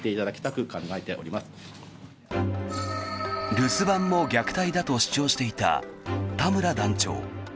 留守番も虐待だと主張していた田村団長。